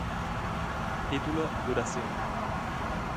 Título Duración